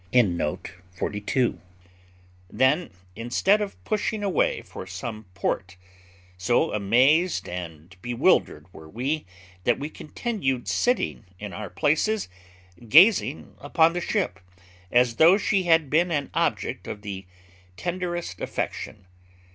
Then, instead of pushing away for some port, so amazed and bewildered were we that we continued sitting in our places gazing upon the ship, as though she had been an object of the tenderest affection.